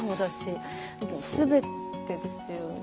すべてですよね。